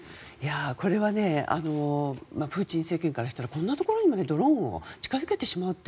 これはプーチン政権からしたらこんなところにドローンを近づけてしまうって